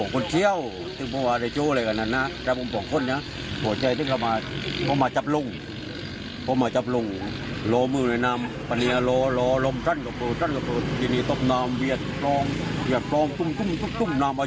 เขามาจับลงล้อมือเหนือนาน